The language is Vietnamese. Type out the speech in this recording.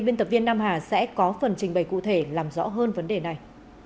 biên tập viên nam hà sẽ có phần trình bày cụ thể làm rõ hơn vấn đề này